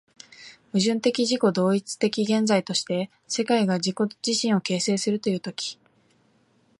矛盾的自己同一的現在として、世界が自己自身を形成するという時、